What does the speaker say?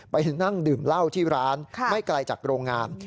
ไปนั่งดื่มเหล้าที่ร้านไม่ไกลจากโรงงาน